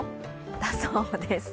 だそうです。